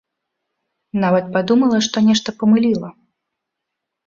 Нават падумала, што нешта памыліла.